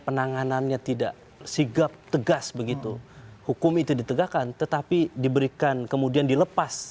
penanganannya tidak sigap tegas begitu hukum itu ditegakkan tetapi diberikan kemudian dilepas